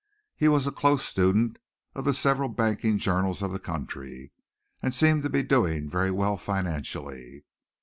He was a close student of the several banking journals of the country, and seemed to be doing very well financially.